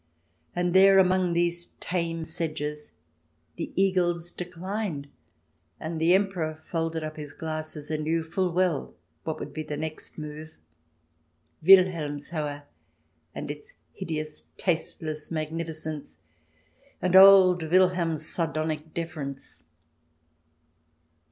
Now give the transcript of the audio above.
And there, among these tame sedges, the Eagles declined and the Emperor folded up his glasses and knew full well what would be the next move — Wilhelmshohe and its hideous tasteless magnificence, and old Wilhelm's sardonic deference.